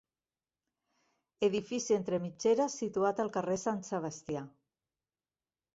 Edifici entre mitgeres situat al carrer Sant Sebastià.